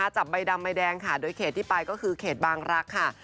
จับใบดำใบแดงค่ะโดยเขตที่ไปก็คือเขตบางรักค่ะ